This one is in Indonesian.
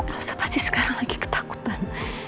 rasa pasti sekarang lagi ketakutan